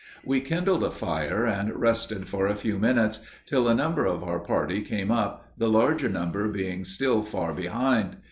We kindled a fire, and rested for a few minutes, till a number of our party came up, the larger number being still far behind.